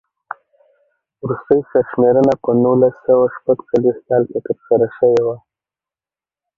وروستۍ سر شمېرنه په نولس سوه شپږ څلوېښت کال کې ترسره شوې وه.